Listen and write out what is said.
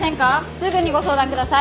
すぐにご相談ください。